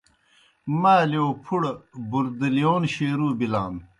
مالِیؤ پُھڑہ بُردِلِیون شیروع بِلان۔